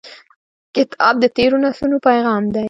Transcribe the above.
کتاب د تیرو نسلونو پیغام دی.